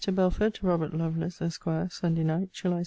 BELFORD, TO ROBERT LOVELACE, ESQ. SUNDAY NIGHT, JULY 16.